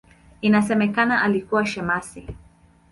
Inasemekana alikuwa shemasi.